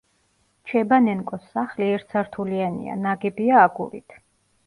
ჩებანენკოს სახლი ერთსართულიანია, ნაგებია აგურით.